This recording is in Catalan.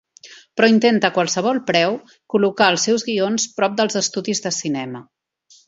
Però intenta a qualsevol preu col·locar els seus guions prop dels estudis de cinema.